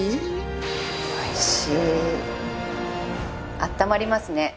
あったまりますね。